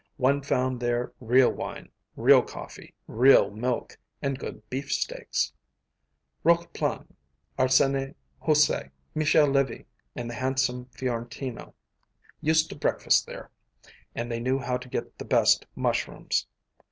One found there real wine, real coffee, real milk, and good beefsteaks. Roqueplan, Arsène Houssaye, Michel Lévy, and the handsome Fiorentino used to breakfast there, and they knew how to get the best mushrooms.